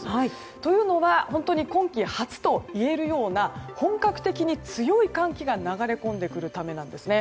というのは今季初といえるような本格的に強い寒気が流れ込んでくるためなんですね。